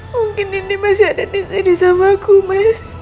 mungkin ini masih ada di sini sama aku mas